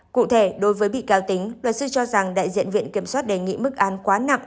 cụ thể đối với bị cáo tính luật sư cho rằng đại diện viện kiểm soát đề nghị mức án quá nặng